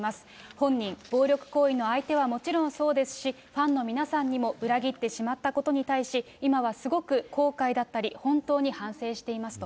本人、暴力行為の相手はもちろんそうですし、ファンの皆さんにも裏切ってしまったことに対し、今はすごく後悔だったり本当に反省していますと。